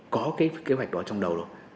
có kế hoạch đó trong đầu